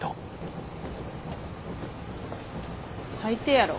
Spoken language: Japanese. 最低やろ。